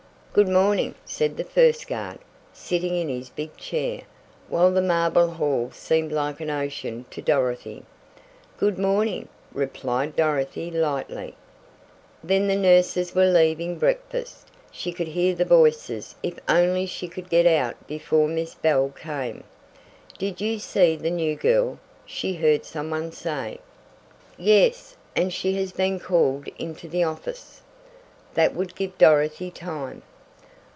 "Good morning!" said the first guard, sitting in his big chair, while the marble hall seemed like an ocean to Dorothy. "Good morning!" replied Dorothy lightly. Then the nurses were leaving breakfast. She could hear the voices. If only she could get out before Miss Bell came! "Did you see the new girl?" she heard some one say. "Yes, and she has been called into the office!" That would give Dorothy time!